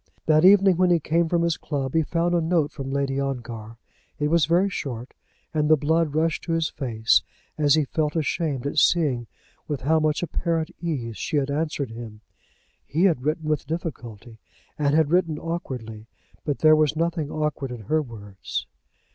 That evening, when he came from his club, he found a note from Lady Ongar. It was very short, and the blood rushed to his face as he felt ashamed at seeing with how much apparent ease she had answered him. He had written with difficulty, and had written awkwardly. But there was nothing awkward in her words.